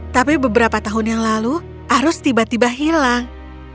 tapi beberapa tahun yang lalu arus tiba tiba hilang